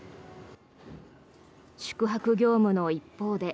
宿泊業務の一方で。